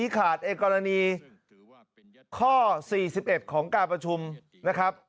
ข้อ๔๑ของการประชุมนะครับ